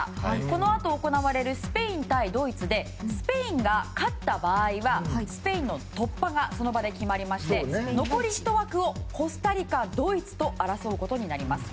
このあと行われるスペイン対ドイツでスペインが勝った場合はスペインの突破がその場で決まりまして残り１枠をコスタリカ、ドイツと争うことになります。